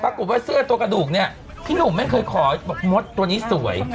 ปรากฏว่าเสื้อตัวกระดูกเนี้ยพี่หนุ่มไม่เคยคออัตริมัวตัวนี้สวย